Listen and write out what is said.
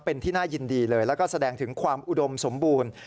เป็นที่น่ายินดีเลยแล้วก็แสดงถึงความอุดมสมบูรณ์